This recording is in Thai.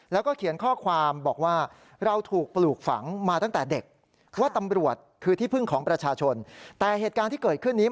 แล้วก็เขียนข้อความบอกว่าเราถูกปลูกฝังมาตั้งแต่เด็ก